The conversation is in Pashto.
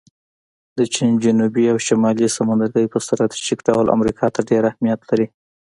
د چین جنوبي او شمالي سمندرګی په سټراټیژیک ډول امریکا ته ډېر اهمیت لري